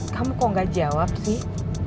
kamu kok nggak jawab sih